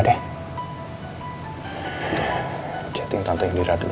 saya akan mencari tante indira